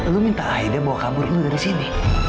lu minta ayah bawa kabur lu dari sini